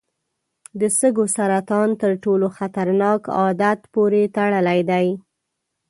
د سږو سرطان تر ټولو خطرناک عادت پورې تړلی دی.